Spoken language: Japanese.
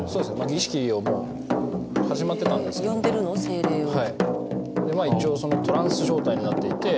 儀式がもう始まってたんですよ呼んでるの？